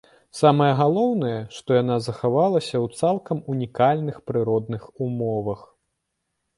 Самае галоўнае, што яна захавалася ў цалкам унікальных прыродных умовах.